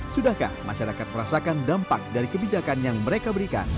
sudahkah masyarakat merasakan dampak dari kebijakan yang mereka berikan